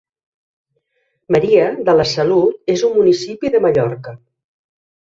Maria de la Salut és un municipi de Mallorca.